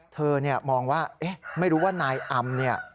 เธอมองว่าไม่รู้ว่านายอำเนี่ย